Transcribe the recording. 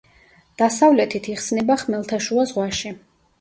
დასავლეთით იხსნება ხმელთაშუა ზღვაში.